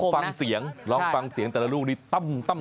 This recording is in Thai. ฟังเสียงลองฟังเสียงแต่ละลูกนี้ตั้ม